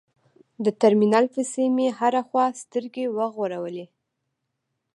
د ترمینل پسې مې هره خوا سترګې وغړولې.